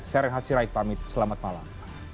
saya rehat sirait pamit selamat malam